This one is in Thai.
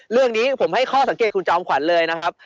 เรื่องนี้ผมให้ข้อสังเกตคุณจอมขวัญเลยนะครับ